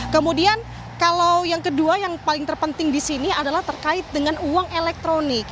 kemudian kalau yang kedua yang paling terpenting di sini adalah terkait dengan uang elektronik